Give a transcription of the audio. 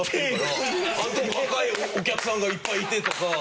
「あの時若いお客さんがいっぱいいて」とか。